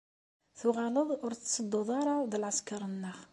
Tuɣaleḍ ur tettedduḍ ara d lɛesker-nneɣ.